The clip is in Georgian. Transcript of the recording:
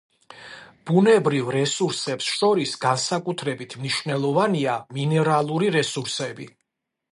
ბუნებრივ რესურსებს შორის განსაკუთრებით მნიშვნელოვანია მინერალური რესურსები.